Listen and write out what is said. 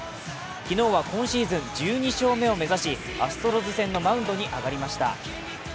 昨日は今シーズン１２勝目を目指しアストロズ戦のマウンドに上がりました。